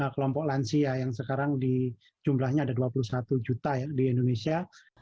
kelompok lansia yang sekarang di jumlahnya ada dua puluh satu juta ya di indonesia